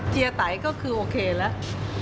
เฮียไตก็คือโอเคแล้ว